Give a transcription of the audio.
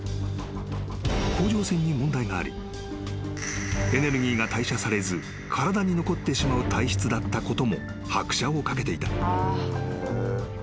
［甲状腺に問題がありエネルギーが代謝されず体に残ってしまう体質だったことも拍車を掛けていた］